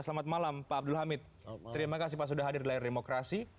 selamat malam pak abdul hamid terima kasih pak sudah hadir di layar demokrasi